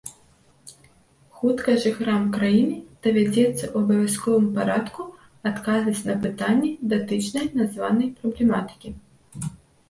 Хутка жыхарам краіны давядзецца ў абавязковым парадку адказваць на пытанні, датычныя названай праблематыкі.